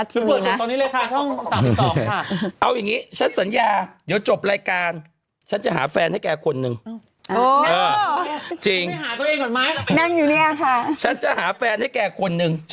ในรายการฉันจะหาแฟนให้แกคนหนึ่ง